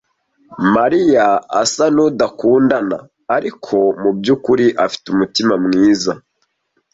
Mariya asa nkudakundana, ariko mubyukuri afite umutima mwiza.